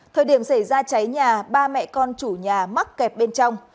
thời điểm xảy ra cháy nhà ba mẹ con chủ nhà mắc kẹt bên trong